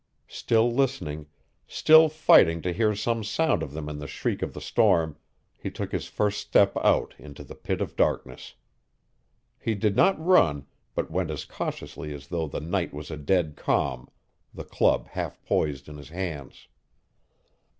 Still listening, still fighting to hear some sound of them in the shriek of the storm, he took his first step out into the pit of darkness. He did not run, but went as cautiously as though the night was a dead calm, the club half poised in his hands.